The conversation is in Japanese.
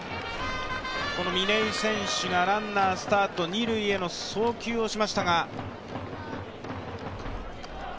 嶺井選手がランナースタート、二塁への送球をしましたが。